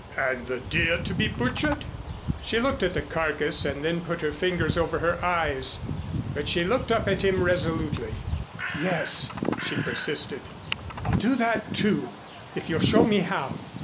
"And the deer to be butchered?" She looked at the carcass and then put her fingers over her eyes. But she looked up at him resolutely. "Yes," she persisted, "I'll do that, too if you'll show me how."